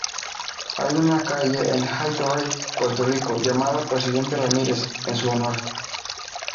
Hay una calle en Hato Rey, Puerto Rico llamada "Presidente Ramírez" en su honor.